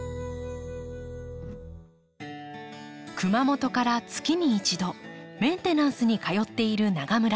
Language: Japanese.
熊本から月に１度メンテナンスに通っている永村さん。